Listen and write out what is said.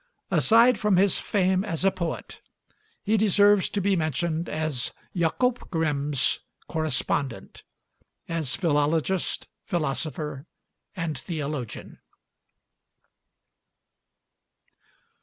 Aside from his fame as a poet, he deserves to be mentioned as Jacob Grimm's correspondent, as philologist, philosopher, and theologian.